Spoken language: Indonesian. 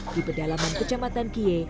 di pedalaman kecamatan kie